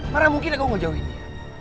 marah mungkin aku ngejauhin dia